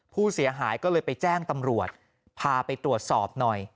ผู้เสียหายก็เลยไปแจ้งตำรวจพาไปตรวจสอบหน่อย